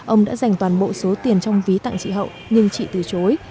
ông đã dành toàn bộ số tiền trong ví tặng chị hậu nhưng chị từ chối